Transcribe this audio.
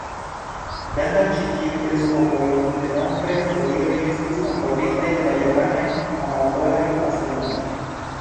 Dank'al ĉi-tiuj teleskopoj, multenombraj asteroidoj estis malkovritaj de la japanaj amatoraj astronomoj.